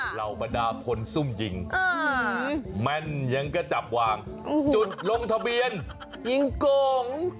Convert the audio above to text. เหล่าบรรดาคนซุ่มยิงแม่นยังก็จับวางจุดลงทะเบียนยิงโกง